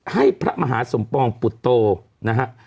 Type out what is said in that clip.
ให้พระมหาสมปองปุตโตนะฮะ